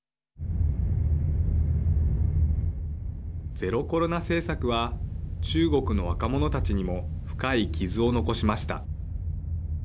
ゼロコロナ政策は中国の若者たちにも深い傷を残しました。